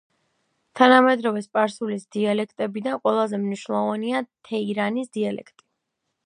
თანამედროვე სპარსულის დიალექტებიდან ყველაზე მნიშვნელოვანია თეირანის დიალექტი.